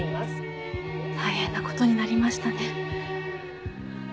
大変な事になりましたね。